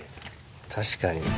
確かに。